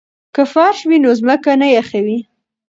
که فرش وي نو ځمکه نه یخوي.